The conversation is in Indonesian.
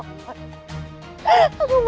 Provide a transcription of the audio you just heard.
aku mohon tolong jasakiti putraku mandala